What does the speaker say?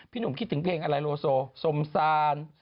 หนุ่มคิดถึงเพลงอะไรโลโซสมซาน